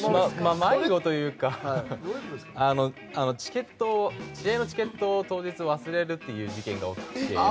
迷子というか試合のチケットを当日忘れるという事件が起きて。